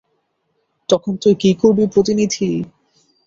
তখন তুই কি করবি প্রতিনিধি?